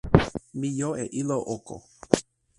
mi jo e ilo oko.